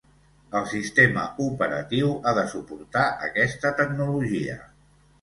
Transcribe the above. El sistema operatiu ha de suportar aquesta tecnologia.